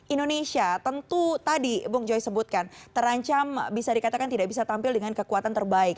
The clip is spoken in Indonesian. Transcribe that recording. indonesia tentu tadi bung joy sebutkan terancam bisa dikatakan tidak bisa tampil dengan kekuatan terbaik